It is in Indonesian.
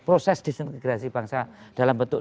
proses disintegrasi bangsa dalam bentuk